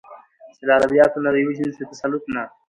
چې له ادبياتو نه د يوه جنس د تسلط نه